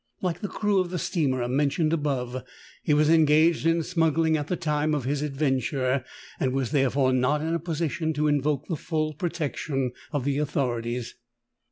Like the crew of the steamer mentioned above, he was engaged in smuggling at the time of his adven ture, and was therefore not in a position to invoke the full protection of the authorities.